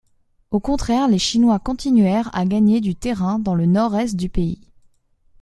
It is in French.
Au contraire, les Chinois continuèrent à gagner du terrain dans le nord-est du pays.